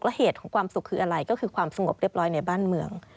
เหตุของความสุขคืออะไรก็คือความสงบเรียบร้อยในบ้านเมือง